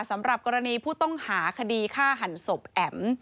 สำหรับกรณีผู้ต้องหาคดีฆ่าหันศพแอ๋ม